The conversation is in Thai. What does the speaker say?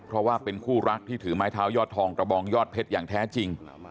เพราะว่าเป็นคู่รักที่ถือไม้เท้ายอดทองกระบองยอดเพชรอย่างแท้จริง